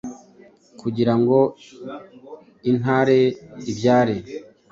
Kugira ngo intare ibyare,